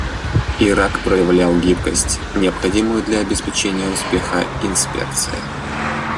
Ирак проявил гибкость, необходимую для обеспечения успеха инспекции.